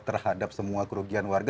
terhadap semua kerugian warga